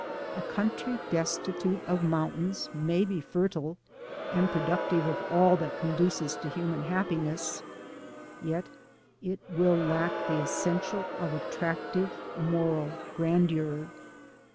A country destitute of mountains may be fertile and productive of all that conduces to human happiness, yet it will lack the es sential of attractive moral grandeur.